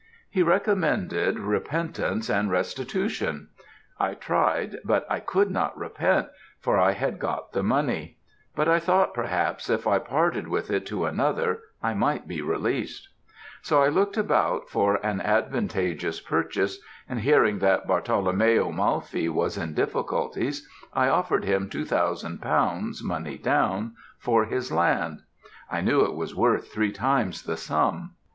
He recommended repentance and restitution. I tried, but I could not repent, for I had got the money; but I thought, perhaps, if I parted with it to another, I might be released; so I looked about for an advantageous purchase, and hearing that Bartolomeo Malfi was in difficulties, I offered him two thousand pounds, money down, for his land I knew it was worth three times the sum.